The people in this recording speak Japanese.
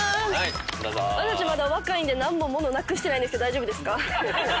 私たちまだ若いんで何も物なくしてないけど大丈夫ですか？